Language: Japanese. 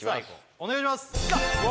お願いします